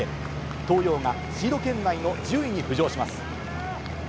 東洋がシード圏内の１０位に浮上します。